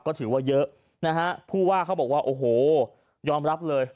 ก็ถือว่าเยอะนะฮะผู้ว่าเขาบอกว่าโอ้โหยอมรับเลย